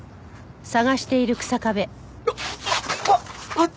あっ！